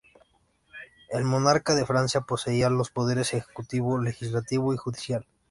El monarca de Francia poseía los poderes ejecutivo, legislativo y judicial.